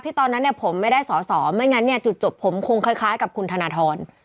ตอนนั้นเนี่ยผมไม่ได้สอสอไม่งั้นเนี่ยจุดจบผมคงคล้ายกับคุณธนทร